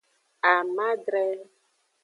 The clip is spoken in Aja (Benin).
Amadre.